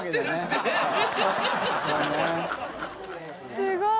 すごい。